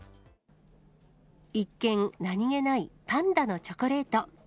一見、何気ないパンダのチョコレート。